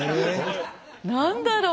何だろう？